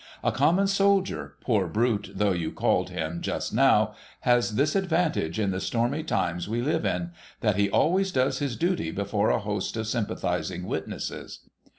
A common soldier, poor brute though you called him just now, has this advantage in the stormy times we live in, that he always does his duty before a host of sympathising witnesses.